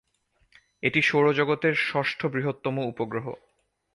এটি সৌরজগৎের ষষ্ঠ বৃহত্তম উপগ্রহ।